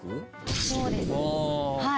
そうですはい。